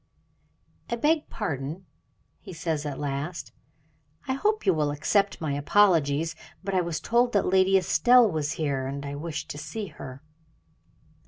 "I beg pardon," he says at last. "I hope you will accept my apologies; but I was told that Lady Estelle was here, and I wish to see her."